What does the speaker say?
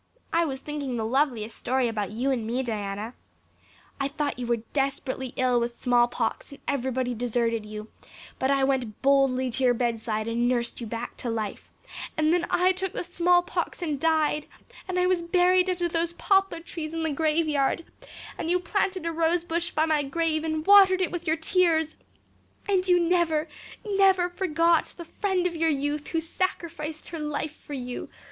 I was thinking the loveliest story about you and me, Diana. I thought you were desperately ill with smallpox and everybody deserted you, but I went boldly to your bedside and nursed you back to life; and then I took the smallpox and died and I was buried under those poplar trees in the graveyard and you planted a rosebush by my grave and watered it with your tears; and you never, never forgot the friend of your youth who sacrificed her life for you.